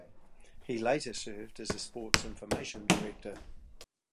He later served as a sports information director.